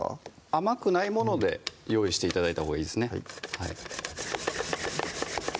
甘くないもので用意して頂いたほうがいいですね